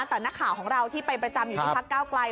แต่นักข่าวของเราที่ไปประจำอยู่ที่พักเก้าไกล